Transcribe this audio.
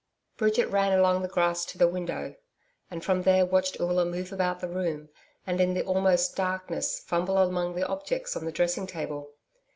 Bridget ran along the grass to the window, and from there watched Oola move about the room and in the almost darkness fumble among the objects on the dressing table.